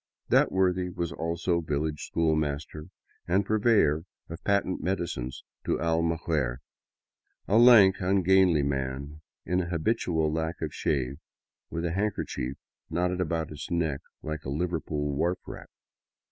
That worthy was also village schoolmaster and purveyor of patent medicines to Almaguer ; a lank, ungainly man in an habitual lack of shave, with a handkerchief knotted about his neck like a Liverpool wharf rat.